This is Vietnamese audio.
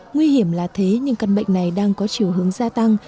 nguy hiểm là thế nhưng căn bệnh này đang có chiều hướng gia tăng